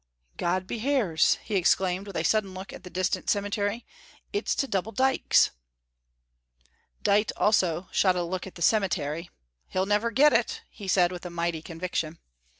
"God behears," he exclaimed, with a sudden look at the distant cemetery, "it's to Double Dykes!" Dite also shot a look at the cemetery. "He'll never get it," he said, with mighty conviction.